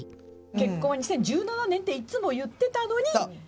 結婚は２０１７年っていつも言ってたのに。